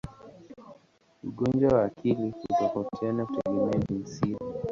Ugonjwa wa akili hutofautiana kutegemea jinsia.